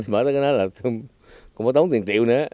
mở ra cái đó là cũng có tốn tiền triệu nữa